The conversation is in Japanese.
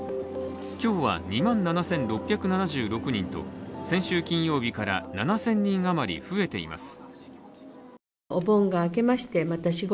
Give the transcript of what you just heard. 今日は２万７６７６人と先週金曜日から７０００人余り増えています。